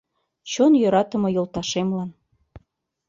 Чон йӧратыме йолташемлан